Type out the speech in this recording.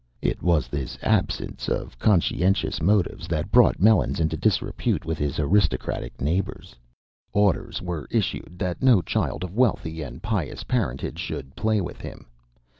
It was this absence of conscientious motives that brought Melons into disrepute with his aristocratic neighbors. Orders were issued that no child of wealthy and pious parentage should play with him.